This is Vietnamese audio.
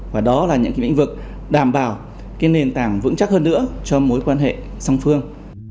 và đó là những cái lĩnh vực đảm bảo nền tảng vững chắc hơn nữa cho mối quan hệ song phương